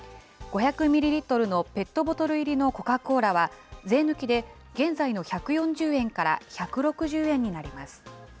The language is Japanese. ５００ミリリットルのペットボトル入りのコカ・コーラは、税抜きで現在の１４０円から１６０円になります。